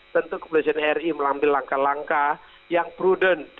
tentu kepolisian ri mengambil langkah langkah yang prudent